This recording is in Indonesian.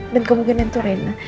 dan kemudian itu rina